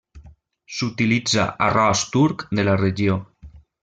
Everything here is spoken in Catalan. S'utilitza arròs turc de la regió.